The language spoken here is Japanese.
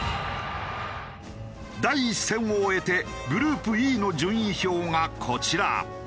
第１戦を終えてグループＥの順位表がこちら。